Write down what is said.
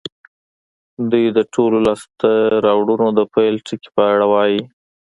دوی د ټولو لاسته راوړنو د پيل ټکي په اړه وايي.